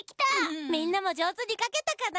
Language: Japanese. みんなもじょうずにかけたかな？